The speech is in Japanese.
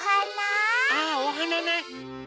あおはなね！